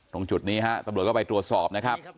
ตรงจุดนี้ตบรวจก็ไปตรวจสอบ